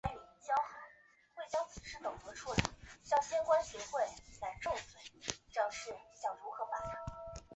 人人有权享有主张和发表意见的自由;此项权利包括持有主张而不受干涉的自由,和通过任何媒介和不论国界寻求、接受和传递消息和思想的自由。